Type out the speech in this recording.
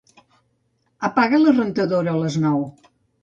Apaga la rentadora a les nou.